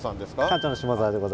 館長の下澤でございます。